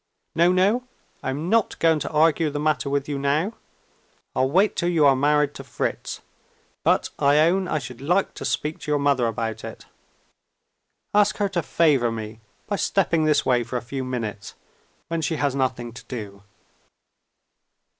No! no! I am not going to argue the matter with you now; I'll wait till you are married to Fritz. But I own I should like to speak to your mother about it. Ask her to favor me by stepping this way for a few minutes, when she has nothing to do."